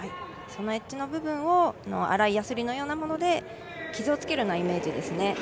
エッジの部分を粗いやすりのようなもので傷をつけるイメージですね。